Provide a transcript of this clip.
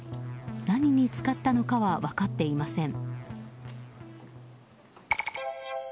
何に使ったのかは分かっていません。